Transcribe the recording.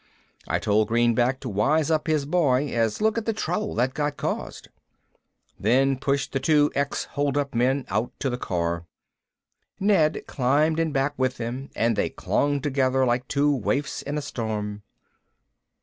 I told Greenback to wise up his boy, as look at the trouble that got caused. Then pushed the two ex holdup men out to the car. Ned climbed in back with them and they clung together like two waifs in a storm.